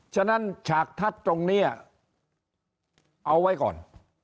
ฉะนั้นฉากทัศน์ตรงนี้เอาไว้ก่อน